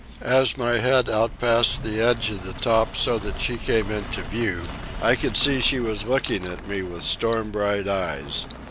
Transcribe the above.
As my head outpassed the edge of the top so that she came into view, I could see she was looking at me with storm bright eyes.